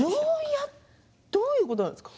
どういうことですか。